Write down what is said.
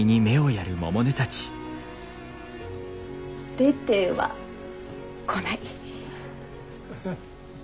・出てはこない。